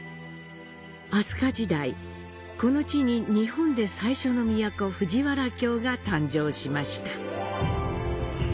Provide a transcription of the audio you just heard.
飛鳥時代、この地に日本で最初の都、藤原京が誕生しました。